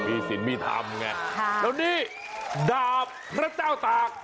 มีศิลป์มีธรรมแล้วนี้ดาบพระเจ้าตาก